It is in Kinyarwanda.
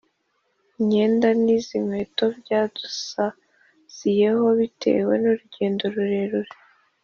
Myenda n izi nkweto byadusaziyeho bitewe n urugendo rurerure